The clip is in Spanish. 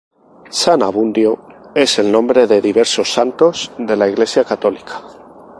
San Abundio es el nombre de diversos santos de la Iglesia católica.